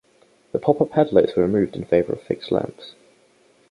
The pop-up headlights were removed in favor of fixed lamps.